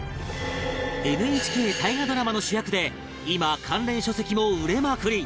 ＮＨＫ 大河ドラマの主役で今関連書籍も売れまくり